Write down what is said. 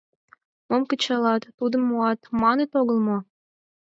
— Мом кычалат — тудым муат, маныт огыл мо?